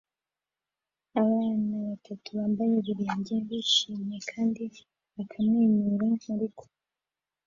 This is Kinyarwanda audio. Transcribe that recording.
Abana batatu bambaye ibirenge bishimisha kandi bakamwenyura murugo